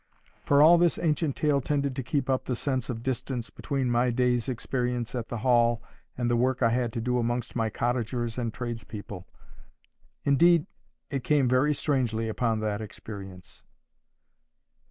For all this ancient tale tended to keep up the sense of distance between my day's experience at the Hall and the work I had to do amongst my cottagers and trades people. Indeed, it came very strangely upon that experience.